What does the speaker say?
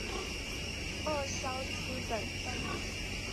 二硝基苯酚